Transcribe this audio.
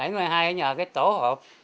bảy mươi hai nhờ cái tổ hộp